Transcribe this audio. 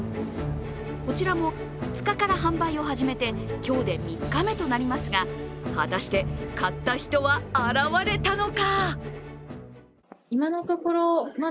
こちらも２日から販売を始めて今日で３日目となりますが、果たして、買った人は現れたのか。